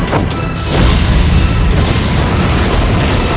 kalau melihatku mengeluarkan ajian gajah meta